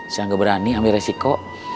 saya nggak berani ambil resiko